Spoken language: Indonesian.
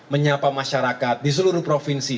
menyapa masyarakat di seluruh provinsi